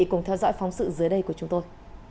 cùng theo dõi phóng sự dưới đây của chúng tôi